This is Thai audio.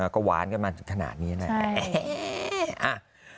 ก็หวานกันมาขนาดนี้นะแอ๊ะใช่